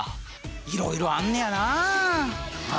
いろいろあんねやなあ。